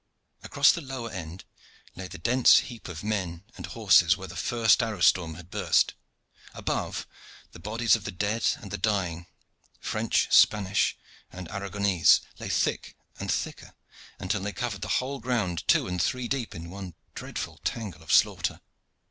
Across the lower end lay the dense heap of men and horses where the first arrow storm had burst. Above, the bodies of the dead and the dying French, Spanish, and Aragonese lay thick and thicker, until they covered the whole ground two and three deep in one dreadful tangle of slaughter.